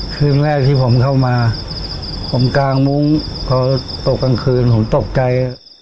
คืนแรกที่ผมเข้ามาผมกางมุ้งพอตกกลางคืนผมตกใจ